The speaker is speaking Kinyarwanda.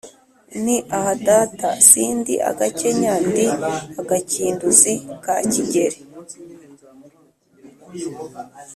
Nti: aha data si ndi agakenya, ndi agakinduzi ka Kigeli,